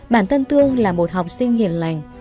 bản thân thương là một học sinh hiền lành